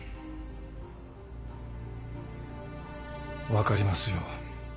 分かりますよ。